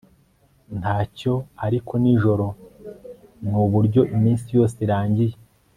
ntacyo ariko nijoro. nuburyo iminsi yose irangiye